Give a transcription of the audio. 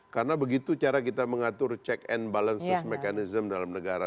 karena begitu cara kita mengatur check and balances mechanism dalam negara